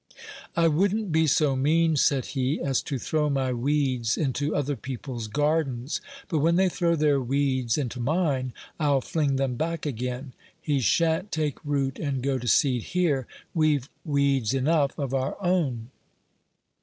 "I wouldn't be so mean," said he, "as to throw my weeds into other people's gardens; but when they throw their weeds into mine, I'll fling them back again: he shan't take root and go to seed here; we've weeds enough of our own."